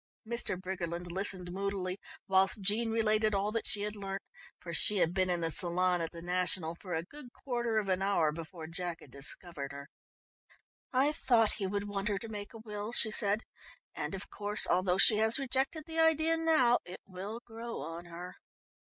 Mr. Briggerland listened moodily whilst Jean related all that she had learnt, for she had been in the salon at the National for a good quarter of an hour before Jack had discovered her. "I thought he would want her to make a will," she said, "and, of course, although she has rejected the idea now, it will grow on her.